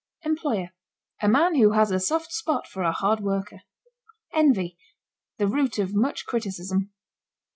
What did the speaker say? EMPLOYER. A man who has a soft spot for a hard worker. ENVY. The root of much criticism.